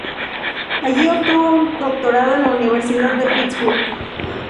Allí obtuvo un doctorado en la Universidad de Pittsburgh.